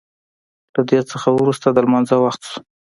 له دې نه وروسته د لمانځه وخت شو.